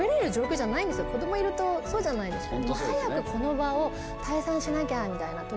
子供いるとそうじゃないですか。